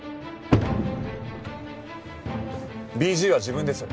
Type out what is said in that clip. ＢＧは自分です。